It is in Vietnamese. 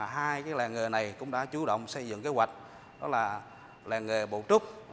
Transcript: hai cái làng nghề này cũng đã chủ động xây dựng kế hoạch đó là làng nghề bột trúc